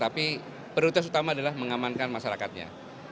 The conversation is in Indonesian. perintah utama adalah mengamankan masyarakatnya